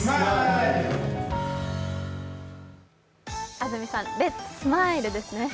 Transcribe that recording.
安住さん、レッツ・スマイルですね。